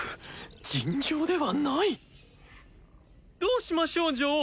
尋常ではない！どうしましょう女王。